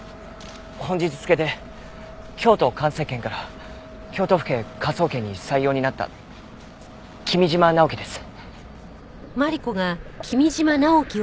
本日付で京都環生研から京都府警科捜研に採用になった君嶋直樹です。